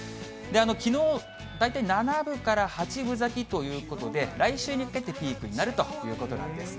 きのう、大体７分から８分咲きということで、来週にかけてピークになるということなんです。